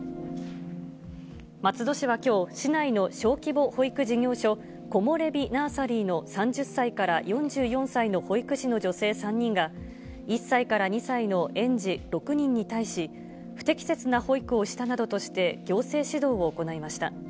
松戸市はきょう、市内の小規模保育事業所、コモレビ・ナーサリーの３０歳から４４歳の保育士の女性３人が、１歳から２歳の園児６人に対し、不適切な保育をしたなどとして、行政指導を行いました。